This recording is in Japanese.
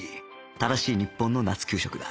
正しい日本の夏給食だ